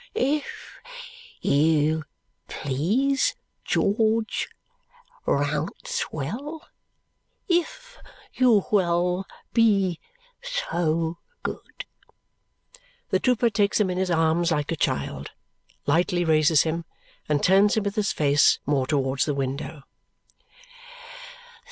"If you please, George Rouncewell; if you will be so good." The trooper takes him in his arms like a child, lightly raises him, and turns him with his face more towards the window.